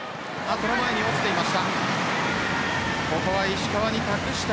その前に落ちていました。